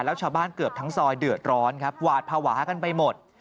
แล้วชาวบ้านเกือบทั้งซอยเดือดร้อนครับหวาดภาวะกันไปหมด